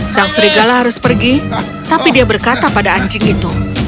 sang serigala harus pergi tapi dia berkata pada anjing itu